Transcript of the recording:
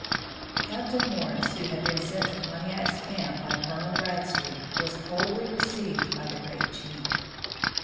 Captain Morris, who had been sent to Pontiac's camp by Colonel Bradstreet, was coldly received by the great chief.